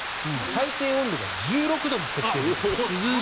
最低温度が１６度に設定できる。